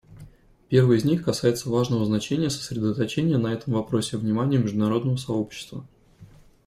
Первый из них касается важного значения сосредоточения на этом вопросе внимания международного сообщества.